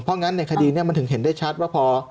เพราะงั้นในคดีนี้มันถึงเห็นได้ชัดว่าพอ